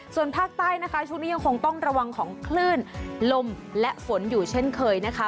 ส่วนภาคใต้นะคะช่วงนี้ยังคงต้องระวังของคลื่นลมและฝนอยู่เช่นเคยนะคะ